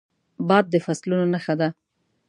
باد د فصلونو نښه ده